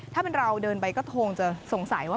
ถ้าเป็นเราเดินไปก็คงจะสงสัยว่า